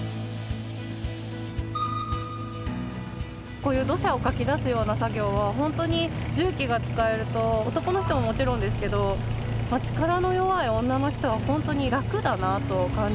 こういう土砂をかき出すような作業は本当に重機が使えると男の人ももちろんですけど力の弱い女の人は本当に楽だなと感じました。